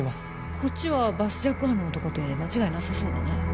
こっちはバスジャック犯の男で間違いなさそうだね